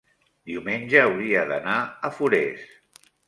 diumenge hauria d'anar a Forès.